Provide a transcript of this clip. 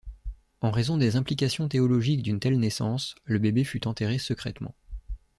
En raison des implications théologiques d’une telle naissance, le bébé fut enterré secrètement.